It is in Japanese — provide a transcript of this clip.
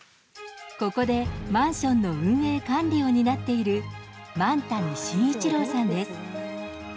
ここでマンションの運営管理を担っている萬谷信一郎さんです。